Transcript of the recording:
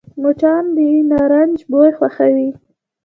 مچان د نارنج بوی خوښوي